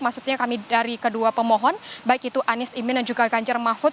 maksudnya kami dari kedua pemohon baik itu anies imin dan juga ganjar mahfud